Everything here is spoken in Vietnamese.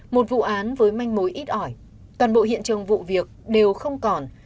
một vụ án với manh mối ít ỏi toàn bộ hiện trường vụ việc đều không còn